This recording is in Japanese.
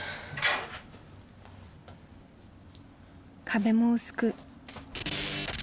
・［壁も薄く］